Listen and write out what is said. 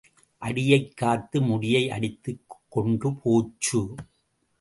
அடியைக் காத்து முடியை அடித்துக் கொண்டு போச்சு.